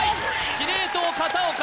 司令塔片岡